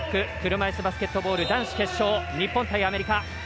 車いすバスケットボール男子決勝日本対アメリカ。